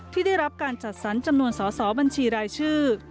ที่ได้รับการจัดสรรจำนวนสอสอบัญชีรายชื่อ